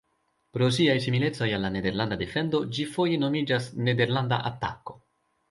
Pro siaj similecoj al la nederlanda defendo ĝi foje nomiĝas nederlanda atako.